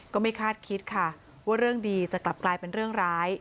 ก็ไม่คาดคิดค่ะว่าเรื่องดีจะกลับกลายเป็นเรื่องร้าย